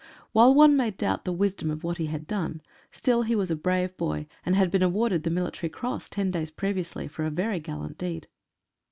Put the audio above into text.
While one may doubt the wisdom of what he had done, still he was a brave boy, and had been awarded the Military Cross ten days previously for a very gallant deed.